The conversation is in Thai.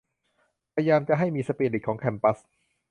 พยายามจะให้มีสปิริตของแคมปัส